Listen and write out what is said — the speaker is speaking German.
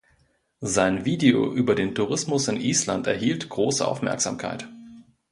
Sein Video über den Tourismus in Island erhielt große Aufmerksamkeit.